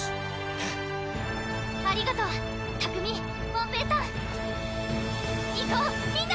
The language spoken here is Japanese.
フゥありがとう拓海門平さんいこうみんな！